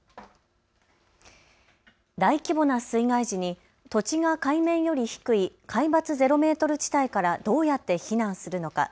大規模な水害時に土地が海面より低い海抜ゼロメートル地帯からどうやって避難するのか。